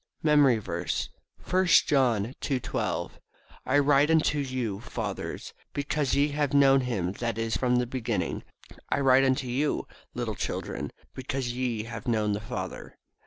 MEMORY VERSE, I John 2: 12 "I write unto you, fathers, because ye have known him that is from the beginning. I write unto you, little children, because ye have known the Father."